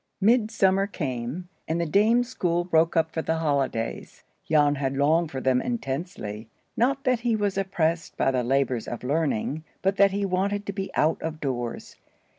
MIDSUMMER came, and the Dame's school broke up for the holidays. Jan had longed for them intensely. Not that he was oppressed by the labors of learning, but that he wanted to be out of doors.